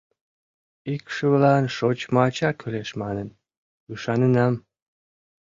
Икшывылан шочмо ача кӱлеш манын, ӱшаненам.